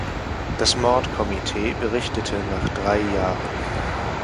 Das Maud-Komitee berichtete nach drei Jahren.